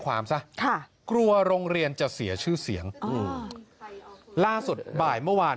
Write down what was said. ซะค่ะกลัวโรงเรียนจะเสียชื่อเสียงอืมล่าสุดบ่ายเมื่อวาน